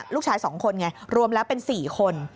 ลูกชาย๒คนไงรวมแล้วเป็น๔คน